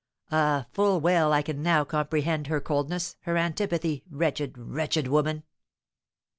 Ah, full well I can now comprehend her coldness, her antipathy, wretched, wretched woman!"